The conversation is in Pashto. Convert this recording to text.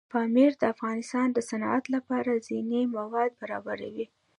پامیر د افغانستان د صنعت لپاره ځینې مواد برابروي.